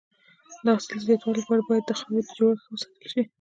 د حاصل د زیاتوالي لپاره باید د خاورې جوړښت ښه وساتل شي.